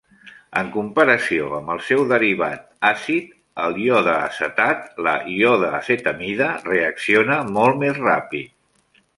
En comparació amb el seu derivat àcid, el iodeacetat, la iodeacetamida reacciona molt més ràpid.